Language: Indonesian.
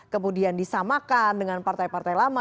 kemudian disamakan dengan partai partai lama